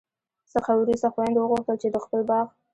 څخه وروسته خویندو وغوښتل چي د خپل باغ